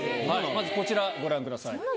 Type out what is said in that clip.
まずこちらご覧ください。